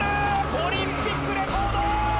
オリンピック・レコード！